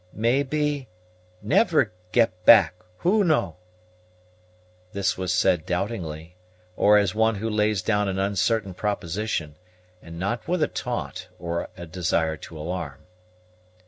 "Maybe, never get back; who know?" This was said doubtingly, or as one who lays down an uncertain proposition, and not with a taunt, or a desire to alarm.